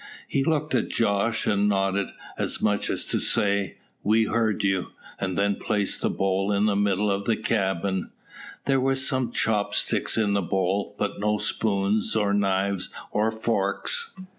He looked at Jos and nodded, as much as to say, "We heard you," and then placed the bowl in the middle of the cabin. There were some chop sticks in the bowl, but no spoons, or knives, or forks.